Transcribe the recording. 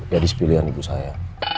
gadis pilihan ibu saya